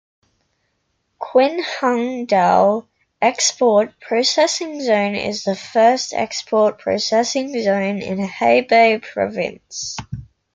Qinhuangdao Export Processing Zone is the first export processing zone in Hebei Province.